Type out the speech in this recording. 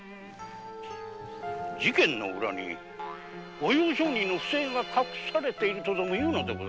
裏に御用商人の不正が隠されているとでもいうのでしょうか？